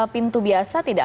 pintu biasa tidak